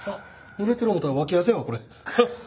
ぬれてる思うたら脇汗やこれ。